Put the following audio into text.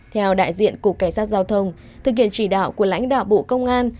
theo đại diện cục cảnh sát giao thông thực hiện chỉ đạo của lãnh đạo bộ công an